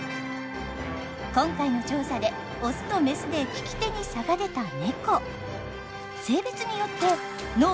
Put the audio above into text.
今回の調査でオスとメスで利き手に差が出たネコ。